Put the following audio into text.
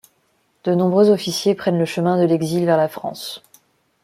De nombreux officiers prennent le chemin de l'exil vers la France.